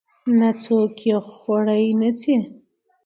نه څوک يې خوړى نشي.